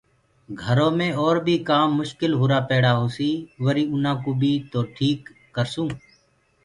گھرو مي اور بيٚ ڪآم مشڪل هرآ پيڙآ هوسيٚ وريٚ آنآ ڪو بيٚ تو ٽيٽ ڪرسونٚ